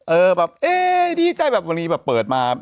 เอ่อแบบเฮ้ดีใจแบบบางงี้แบบเปิดมา